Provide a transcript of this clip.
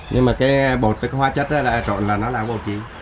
nhưng mà cái bột hoa chất trộn là nó làm bột chí